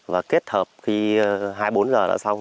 và kết hợp khi hai mươi bốn giờ đã xong